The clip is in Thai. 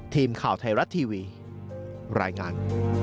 ทีมข่าวไทยรัฐทีวีรายงาน